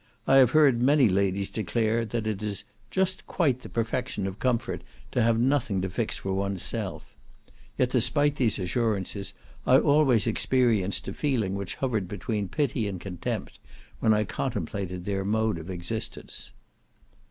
I have heard many ladies declare that it is "just quite the perfection of comfort to have nothing to fix for oneself." Yet despite these assurances I always experienced a feeling which hovered between pity and contempt, when I contemplated their mode of existence.